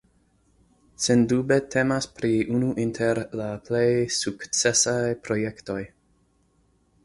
Sendube temas pri unu inter la plej sukcesaj projektoj.